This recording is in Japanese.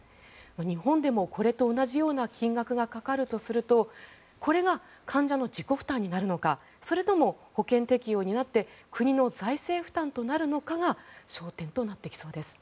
日本でもこれと同じような金額がかかるとするとこれが患者の自己負担になるのかそれとも保険適用になって国の財政負担となるのかが焦点となってきそうです。